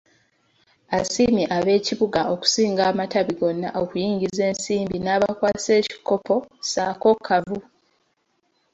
Asiimye ab'eKibuga okusinga amatabi gonna okuyingiza ensimbi n'abakwasa ekikopo ssaako kavu.